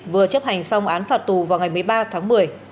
vừa chấp hành xong án phạt tù vào ngày một mươi ba tháng một mươi